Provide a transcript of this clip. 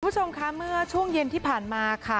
คุณผู้ชมคะเมื่อช่วงเย็นที่ผ่านมาค่ะ